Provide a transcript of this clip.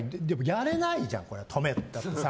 やれないじゃん、止めとかさ。